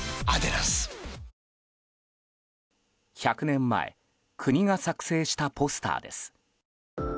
１００年前国が作成したポスターです。